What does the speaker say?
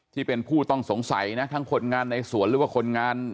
ที่เป็นผู้ต้องสงสัยนะทั้งคนงานในสวนหรือว่าคนงาน